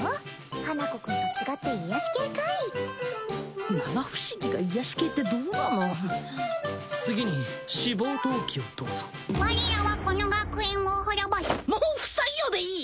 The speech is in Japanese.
花子くんと違って癒やし系怪異七不思議が癒やし系ってどうなの次に志望動機をどうぞ我らはこの学園を滅ぼすもう不採用でいい！？